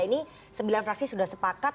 ini sembilan fraksi sudah sepakat